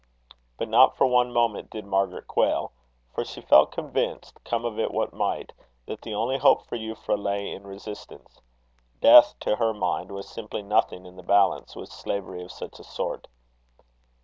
But not for one moment did Margaret quail; for she felt convinced, come of it what might, that the only hope for Euphra lay in resistance. Death, to her mind, was simply nothing in the balance with slavery of such a sort.